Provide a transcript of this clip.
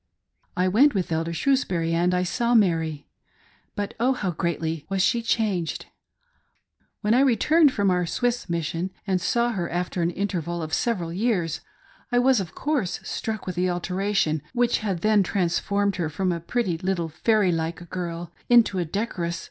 " I went with Elder Shrewsbury and I saw Mary. But oh, how greatly was she changed ! When I returned from our Swiss mission and saw her, after an interval of several years, I was, of course, struck with the alteration which had then transformed her from a pretty little fairy like girl into a decor ous